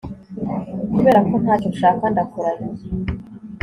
Kuberako ntacyo nshaka ndakurahiye